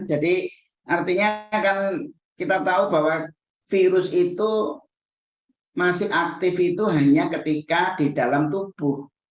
jadi artinya kita tahu bahwa virus itu masih aktif itu hanya ketika di dalam tubuh